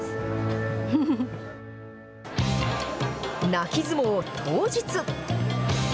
泣き相撲当日。